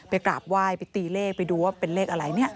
กราบไหว้ไปตีเลขไปดูว่าเป็นเลขอะไรเนี่ย